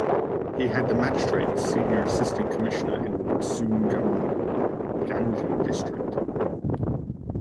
He had the magistrate and Senior Assistant Commissioner in Sunamganj District.